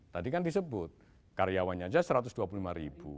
tadi kan disebut karyawannya saja satu ratus dua puluh lima ribu